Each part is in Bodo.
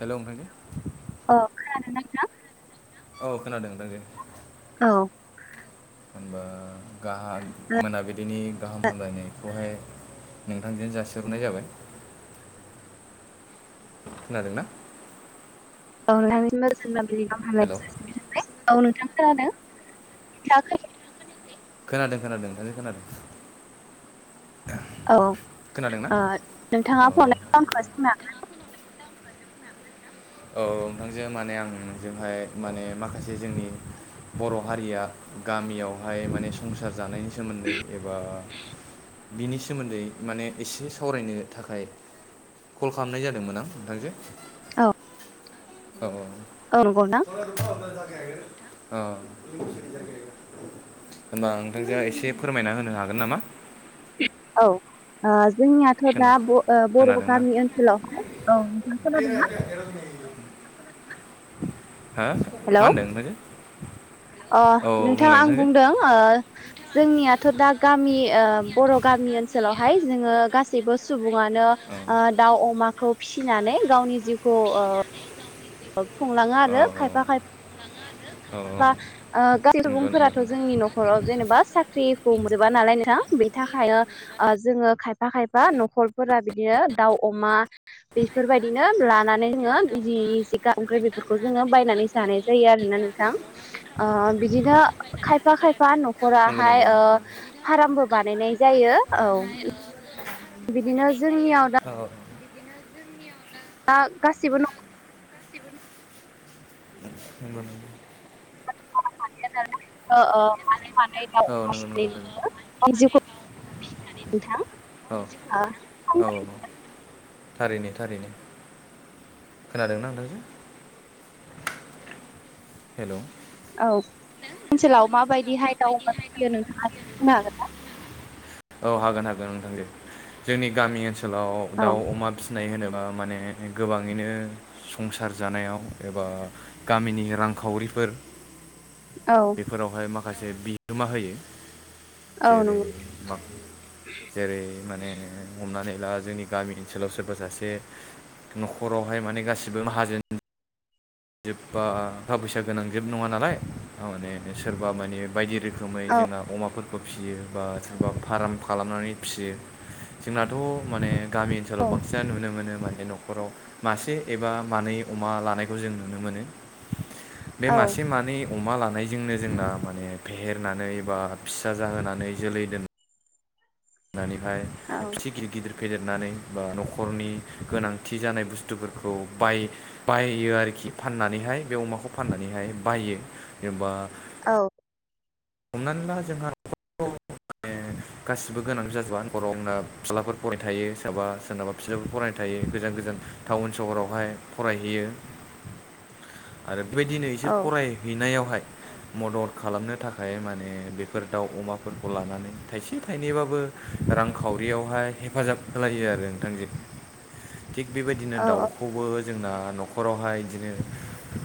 हेलौ नोंथां हो औ खोनादों नोंथांजो औ होनबा गाहाम ओ मोनाबिलिनि गाहाम हामलायनाय खौहाय नोंथांजोनो जासिहरग्रोनाय जाबाय खोनादों ना? औ‌ नोंथांनिसिमबो गोजोन मोनाबिलिनि गाहाम हेलौ हामलायनायखौ जासिहरबाय नोंथांनिसिमबो औ नोंथां खोनादों [unintelligible] खोनादों खोनादों नोंथां खोनादों औ खोनादोंना ओ नोंथाङा औ [unintelligible] औ नोंथांजो माने नोंजोंहाय माने माखासे जोंनि बर' हारिया गामियावहाय माने संसार जानायनि सोमोन्दै एबा बिनि सोमोन्दै माने एसे सावरायनो थाखाय कल खालामनाय जादोंमोन आं नोंथांजो औ औ [unintelligible] ओ बुंनो हागोन [unintelligible] होमबा नोंथांजोआ एसे फोरमायना होनो हागोन नामा? औ ओ जोंनियाथ' खोना दा ओ बर' खोनादोंना गामि ओनसोलावहाय औ नोंथां हो खोनादों ना? [inaudible] हो मा हेलौ होनदों नोंथांजो अ औ नोंथाङा बुंलाय आं नोंथांजो बुंदों ओ जोंनियाथ' दा गामि ओ बर' गामि मि ओनसोलावहाय जोङो गा सैबो सुबुङानो दाउ अमाखौ फिसिनानै गावनि जिउखौ ओ। खुंलाङो औ आरो खुंलाङो खायफा खायफा ओ गासै नंगौ नंगौ सुबुंफोराथ' नंगौ जोंनि न'खराव जेनेबा साख्रिखौ मोन जोबा नालाय नोंथां बेनि थाखाय ओ जोङो खायफा खायफा न'खरफोरा बिदिनो दाउ, अमा बेफोरबायदिनो लानानै जोङो बि जि [unintelligible] बेफोरखौ जोङो बायनानै जानाय जायो आरोना नोंथां ओ बिदिनो खायफा खायफा न'खराहाय ओ नंगौ फार्मबो बानायनाय जायो औ बिदिनो। जोंनियाव औ दा गासिबो न नंगौ नंगौ [unintelligible] ओ ओ अ औ नंगौ जिउखौ नोंथां औ [unintelligible] थारैनो थारैनो खोनादोंना नोंथांजों हेल' औ ओनसोलाव माबायदिहाय दाउ अमा फैयो नोंथाङ बुंनो हागोना? औ हागोन हागोन नोंथां दे जोंनि गामि ओनसोलाव औ दाउ अमा फिसिनाय होनोबा। माने गोबाङैनो संसार जानायाव एबा गामिनि रांखावरिफोर औ बेफोरावहाय माखासे बिहोमा होयो औ जेरै नंगौ जेरै माने हमनानै ला जोंनि गामि ओनसोलाव सोरबा सासे न'खरावहाय माने गासिबो माहाजोन जोब बा थाखा फैसा गोनां जोब नङा नालाय थारमाने सोरबा माने बायदि रो खोमै औ जोंना अमाफोर फिसियो बा सोरबा फार्म खालामनानै फिसियो जोंनाथ' माने गामि ओनसोलाव औ बांसिन नुनो मोनो माने न'खराव मासे एबा मानै अमा लानायखौ जों नुनो मोनो बे औ मासे मानै अमा लानायजोंनो जोंना माने फेहेरनानै बा फिसा जाहोनानै जोलै दोन होननानैहाय औ एसे गिदिर गिदिर फेदेरनानै बा न'खरनि गोनांथि जानाय बुस्थुफोरखौ बाय बायो आरोखि खि फाननानैहाय बे अमाखौ फाननानैहाय बायो जेनेबा औ। हमनानै ला जोंहा माने। गासिबो गोनांथि जाजोबा [unintelligible] आं होनना फिसालाफोर फरायनो थायो सोराबा सोरनाबा फिसाजोफोर फरायनो थायो गोजान गोजान। टाउन सहरावहाय फरायहैयो आरो। बेबायदिनो औ बिसोर फरायहैनायावहाय मदद खालामनो थाखाय। ओमफ्राय माने बेफोर दाउ अमाफोरखौ लानानै थाइसे थाइनैबाबो रांखावरियावहाय। हेफाजाब होलायो आरो नोंथांजों थिग बेबायदिनो औ दाउखौबो। जोंना न'खरावहाय बिदिनो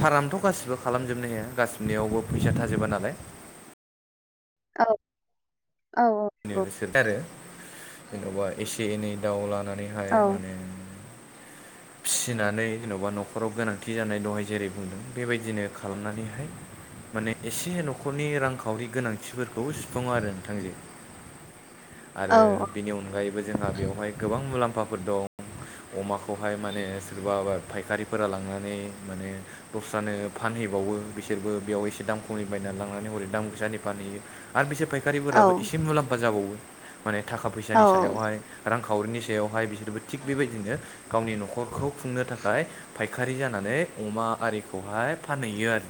फारामथ' गासिबो खालामजोबनो हाया गासिनियावबो फैसा थाजो जोबा नालाय औ। सोर आरो जेन'बा एसे एनै दाउ लानानैहाय माने फिसिनानै जेन'बा न'खराव गोनांथि जानाय दहाय जेरै बुंदों बेबायदिनो खालामनानैहाय। माने एसे न'खरनि रांखावरि गोनांथिफोरखौ सुफुङो आरो नोंथांजोे। आरो बिनि अनगायैबो जोंहा बेवहाय गोबां मुलाम्फाफोर दं। अमाखौहाय माने सोरबा फायखारिफोरा लांनानै माने दस्रानो फानहै बावो बिसोरबो बेयाव एसे दाम खमनि बायनानै लांनानै हरै दाम गोसानि फानहैयो आरो बिसोर औ सफायखारिफोराबो एसे मुलाम्फा जाबावो माने थाखा औ फैसानि सायावहाय रां खावरिनि सायावहाय बिसोरबो थिग बेबायदिनो गावनि न'खरखौ खुंनो थाखाय फायखारि जानानै अमा आरिखौहाय फानहैयो आरो।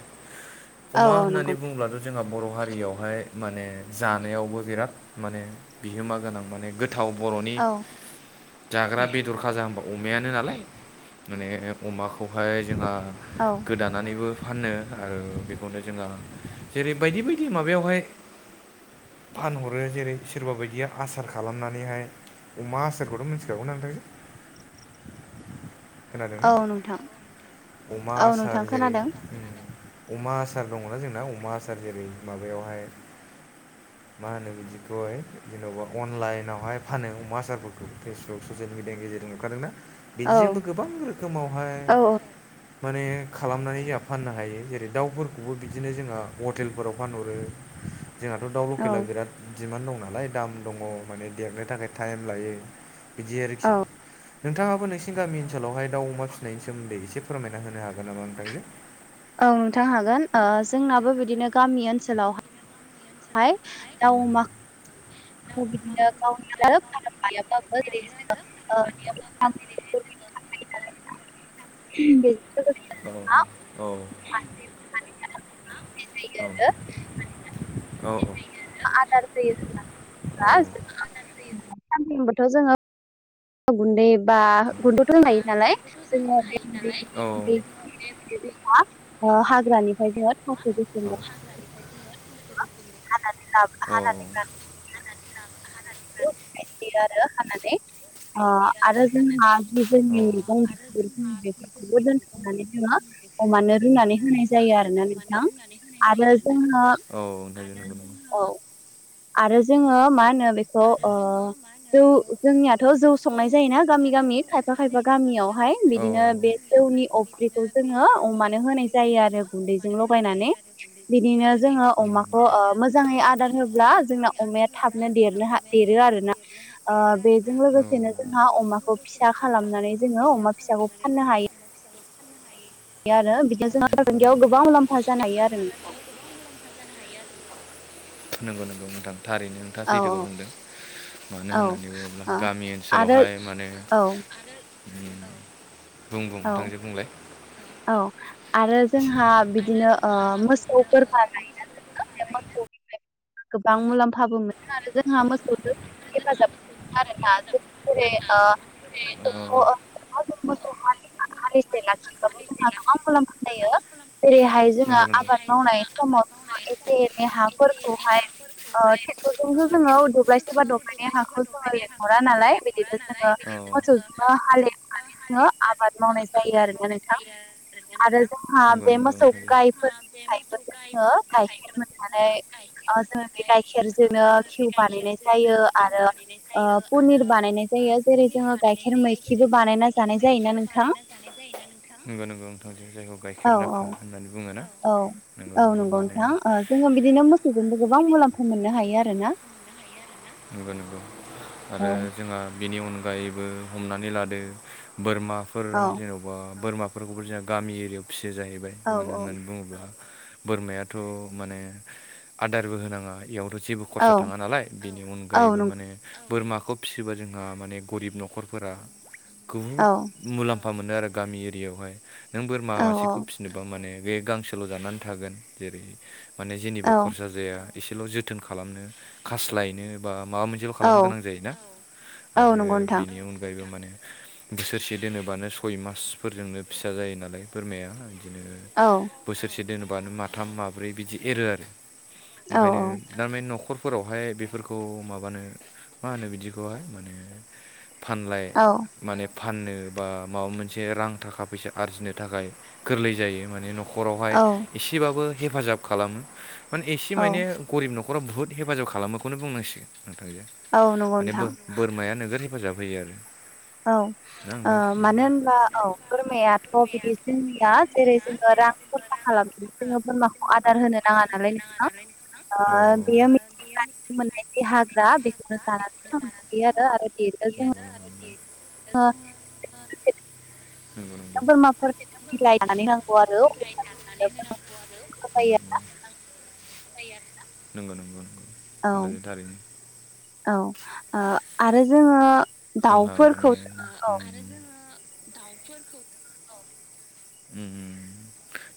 अमा औ नंगौ होननानै बुङब्लाथ' जोंहा बर' हारियावहाय माने जानायावबो बिराद माने बिहोमा गोनां माने गोथ गोथाव बर'नि औ जाग्रा बेदर खाजा होनबा अमायानो नालाय माने अमाखौहाय जोंहा औ गोदानानैबो फानो आरो बेखौनो जोंहा जेरै बायदि बायदि माबायावहाय फानहरो जेरै सोरबा बायदिया आसार खालामनानैहाय अमा आसारखौथ' मिथिखागौना ओमफायो खोनादों ना औ नोंथां अमा औ नोंथां आसार जेरै खोनादों अमा आसार दङना जोंना अमा आसार जेरै माबायावहाय मा होनो बिदिखौहाय जेन'बा अनलाइनावहाय फानो अमा आसारफोरखौ फेसबुक ससियेल मिडिया गेजेरजों नुखादोंना औ बिदिजोंबो गोबां रोखोमावहाय औ माने खालामनानै जोंहा फाननो हायो जेरै दाउफोरखौबो बिदिनो जोंहा हटेलफोराव फानहरो जोंहाथ' दाउ औ लकेला बिराद दिमानद दं नालाय दाम दङ माने देरनो थाखाय टाइम लायो बिदि आरोखि नोंथाङाबो नोंसिनि गामि ओनसोलावाय दाउ अमा फिसिनायनि सोमोन्दै एसे फोरमायना होनो हागोन नामा नोंथांजों औ नोंथां हागोन जोंनाबो बिदिनो गामि ओनसोलावहाय दाउ अमा अमाखौ फार्म [unintelligible] मा औ-औ [unintelligible] जायो आरो औ-औ आदार होयो [unintelligible] गुन्दै बा गुन्दैथ' होन लायो नालाय जोङो बे [unintelligible] हाग्रानिफ्राय जो बुथुमो [unintelligible] [unintelligible] औ आरो जोंहा बे जोंनि मैगं बेफोरखौबो दोनथ'नानै जोङो बेखौ अमानो रुनानै होनाय जायो आरोना नोंथां आरो जोङो आरो औ। आरो जोङो मा होनो बेखौ जौ जोंनियाथ' जौ संनाय जायोना गामि गामि खायफा खायफा गामियावहाय बिदिनो बे जौनि अफ्रिखौ जोङो अमानो होनाय जायो। आरो गुन्दैजों लगायनानै बिदिनो जोङो उम अमाखौ मोजाङै आदार होब्ला जों जों अमाया थाबनो दनो देरो आरोना बेजों लोगोसे औ बिदिनो जोंहा अमाखौ फिसा खालामनानै जोङो अमा फिसाखौ फाननो हायो। आरो बिदिनो [unintelligible] गोबां मुलाम्फा जानो हायो आरो नोंथा। नोंगौ नोंगौ नोंथां। थारैनो नोंथा औ सैथोखौ औ बुंदों। मानो औ होननानै बुङोब्ला ओ गामि आरो ओनसोलावहाय माने औ बुं बुं औ नोंथांजो बुंलाय औ आरो जोंहा बिदिनो मोसौ बोरमा लायोना जों [inaudible] गोबां मुलाम्फाबो मोनो आरो जोंहा मोसौजों हेफाजाब आरोना जों जेरै औ। हलिसे लाखिबाबो जोंहा गोबां मुलाम्फा जायो जेरैहाय जोङो नंगौ आबाद मावनाय एसे ए हाफोरखौहाय ट्रेक्टर जस जोङो दुब्लाय सेबा द माने हाखौ जोङो लेंहरा नालाय बिदिनो जोङो मोसौजोंनो हालेवनानै जोङो आबाद मावनाय जायो आरोना नोंथां। आरो जोंहा बे [unintelligible] ओ गाइखेर मोननानै ओ जोङो बे गाइखेरजोनो घीउ बानायनाय जायो। घीउ आरो बानायनाय ओ जायो आरो पनिर बानायनाय ओ जायो जेरै पनिर जोङो बानायनाय गाइखेर जायो। जेरै मैखिबो जोङो बानायना गाइखेर जानाय जायोना मैखिबो बा नोंथां बानायना जानाय जायोना नों नोंगौ नोंगौ नोथांजों जायखौ औ गाइखेर दाखा होननानै बुङो ना औ नोंगौ औ नोंगौ नंगौ माने नोंथां ओ जोङो बिदिनो मोसौजोंबो गोबां मुलाम्फा मोननो हायो आरो ना। उम। नोंगौ नोंगौ। आरो औ जोंहा बेनि अनगायैबो हमनानै लादो बोरमाफोर औ जेन'बा बोरमाफोरखौबो जोंहा गामि एरियायाव फियो जाहैबाय औ मानो होननानै बुङोब्ला बोरमायाथ' माने आदारबो होनाङा। बेयावथ' जेबो औ खरसा थाङा नालाय बेनि औ अनगायैबो नंगौ माने बोरमाखौ फिसिबा जोंहा माने गरिब न'खरफोरा औ गुहुद मुलाम्फा मोनो आरो। गामि एरिया यावहाय नों बोरमा औ मासेखौ फिसिनोबा माने बे गांसोल' जानानै थागोन जेरै माने जेनिबो औ खरसा जाया। एसेल' जोथोन खालामनो खास्लायनो बा माबा मोनसेल' खालामनो गोनां औ जायोना औ आरो नंगौ नोंथां बेनि अनगायैबो माने बोसोरसे दोनोबानो सय मासफोरजोंनो फिसा जायो नालाय बोरमाया बिदिनो औ बोसोरसे दोनोबानो माथाम माब्रै बिदि एरो आरो। औ ओंखायनो थारमान न'खरफोरावहाय बेफोरख खौ माबानो मा होनो बिदिखौहाय माने फानलाय औ माने फाननो बा माबा मोनसे रां थाखा फैसा आरजिनो थाखाय गोरलै जायो माने न' खरावहाय औ एसेबाबो हेफाजाब खालामो माने एसे औ मायने गरिब न' खराव बुहुत हेफाजाब खालामोखौनो बुंनांसिगोन नोंथांजो औ नंगौ माने बो नोंथां बोरमाया नोगोर हेफाजाब होयो आरो। औ ओ नोंथां मानो होनब्ला औ बोरमायाथ' बिदि जोंनिया जेरै जों रां खरसा खालाम जोंङो बोरमाखौ आदार होनो नांङा नालाय नोंथा। औ आ बेयो मिथिंगानि मोन्नाय हाग्रा बेखौनो जानानै थांना थायो आरो आरो देरो जोङो [inaudible] बिदिनो नोंगौ बोरमाफोर नोंगौ बिलाइ जानानै होनांगौ आरो [inaudible] अब्लासो नोंगौ नोंगौ नोंगौ। औ औ आरो ओ जोंङो जोंहा माने ओ आरो जोङो दाउ फोरखौ उम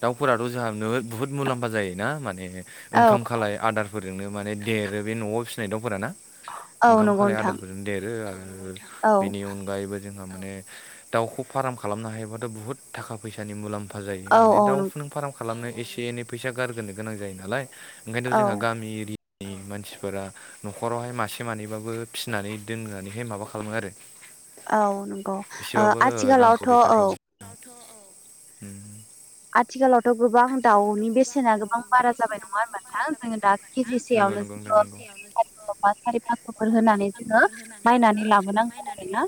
दाउफोराथ' जोंहा नोगोद बुहुत मुलाम्फा जायोना। माने औ ओंखाम खालाय आदारफोरजोंनो माने देरो बे न'आव फिसिनाय दाउफोरा ना औ ओंखाम नंगौ खालाय नोंथां आदारफोरजों देरो आरो औ बेनि अनगायैबो जोंहा माने दाउखौ फाराम खालामनो हायोबाथ' बुहुत थाखा फैसानि मुलाम फा जायो औ माने औ नंगौ दाउखौनों फाराम खालामनो एसे एनै फैसा गारग्रो गोनां जायो नालाय। ओंखायनोथ' औ जोंहा गामि एरि नि मानसिफोरा न'खरावहाय मासे मानैबाबो फिसिनानै दोननानैहे माबा खालामो आरो। औ नंगौ ओ आथिखालावथ' औ औ औ उम। आथिखालावथ' गोबां आथिखालावथ' दाउनि गोबां बेसेना दाउनि बारा जाबाय बेसेना नङा गोबां होनबा बारा नोंथां जाबाय जोङो दा नंङा होनबा नोंथां नोंगौ केजिसेयावनो नोंगौ जोङो नोंथां नोंगौ। [unintelligible] सारि फासस'फोर होनानै जोंङो नायनानै लाबोनांगौ आरोना।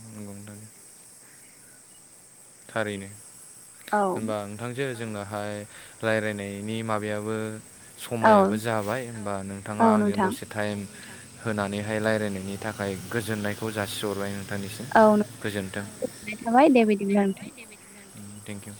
नोंगौ नोंथां थारैनो। औ होनबा नोंथां दिनो जोंनाहाय रायलायनायनि माबायाबो औ समायाबो जाबाय होमबा नोंथांङा औ आंजों नोंथां दसे टाइम होनानैहाय रायज्लायनायनि थाखाय गोजोननायखौ जासिहरबाय। नोंथांनिसिम औ गोजोन्थों गोजनाय थाबाय दे बिदिब्ला। Thank you